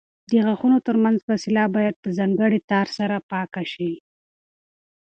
د غاښونو ترمنځ فاصله باید په ځانګړي تار سره پاکه شي.